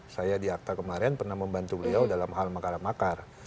saya di akta kemarin pernah membantu beliau dalam hal makar makar